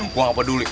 gua apa duly